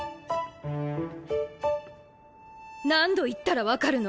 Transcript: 何度言ったら分かるの⁉